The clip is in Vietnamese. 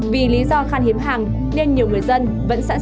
vì lý do khan hiếm hàng nên nhiều người dân vẫn sẵn sàng